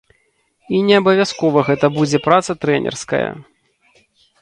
І неабавязкова гэта будзе праца трэнерская.